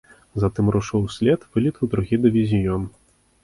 Затым рушыў услед вылет у другі дывізіён.